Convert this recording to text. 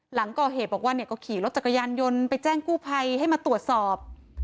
หลังก่อเหตุบอกว่าเนี่ยก็ขี่รถจักรยานยนต์ไปแจ้งกู้ภัยให้มาตรวจสอบ